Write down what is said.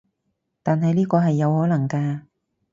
但係呢個係有可能㗎